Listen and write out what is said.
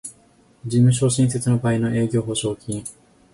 事務所新設の場合の営業保証金